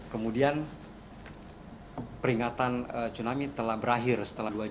kemudian peringatan tsunami telah berakhir setelah dua jam